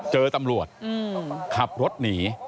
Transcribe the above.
เจอตำรวจขับรถหนี